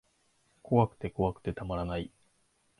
怖くて怖くてたまらない